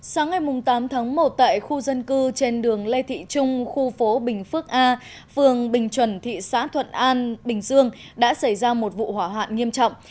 sáng ngày tám tháng một tại khu dân cư trên đường lê thị trung khu phố bình phước a phường bình chuẩn thị xã thuận an bình dương đã xảy ra một vụ hỏa hoạn nghiêm trọng